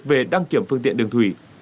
về đăng kiểm phương tiện đường thủy